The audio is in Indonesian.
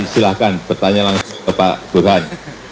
silahkan bertanya langsung bapak burhan